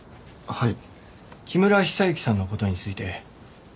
はい。